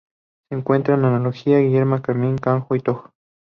Se encuentra en Angola, Guinea, Camerún, Congo y Togo.